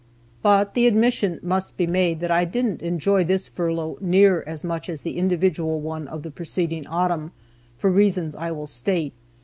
But the admission must be made that I didn't enjoy this furlough near as much as the individual one of the preceding autumn, for reasons I will state.